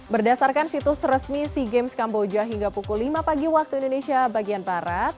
berdasarkan situs resmi sea games kamboja hingga pukul lima pagi waktu indonesia bagian barat